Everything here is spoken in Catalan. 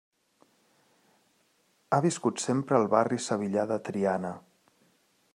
Ha viscut sempre al barri sevillà de Triana.